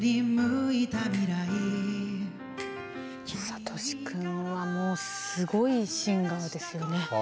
聡君はもうすごいシンガーですよね。